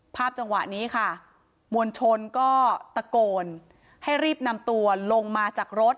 จังหวะนี้ค่ะมวลชนก็ตะโกนให้รีบนำตัวลงมาจากรถ